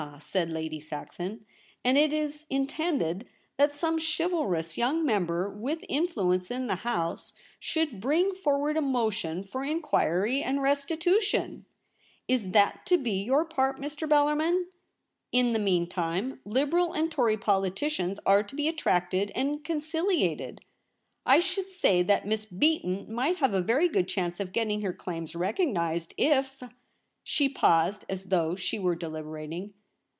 said Lady Saxon. 'And it is in tended that some chivalrous young member with influence in the House should bring forward a motion for inquiry and restitution ! Is that to be your part, Mr. Bellarmin ? In the meantime, Liberal and Tory politicians are to be attracted and conciliated. I should say that Miss Beaton might have a very good chance of getting her claims recognised if ' she paused as though she were deliberating.